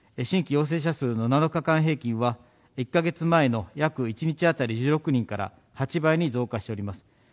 新規陽性者数の７日間平均は、１か月前の約１日当たり１６人から８倍に増加しております。